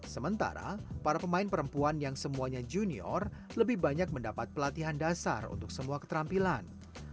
sementara para pemain perempuan yang semuanya junior lebih banyak mendapat pelatihan dasar untuk semua keterampilan